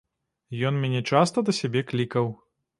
Ён мяне часта да сябе клікаў.